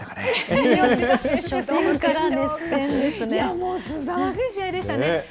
もうすさまじい試合でしたね。